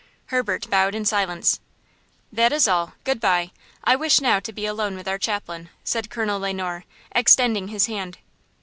Herbert bowed in silence. "That is all, good by. I wish now to be alone with our chaplain," said Colonel Le Noir, extending his hand.